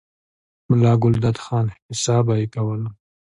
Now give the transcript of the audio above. ملا ګلداد خان، حساب به ئې کولو،